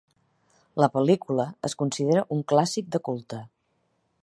La pel·lícula es considera un clàssic de culte.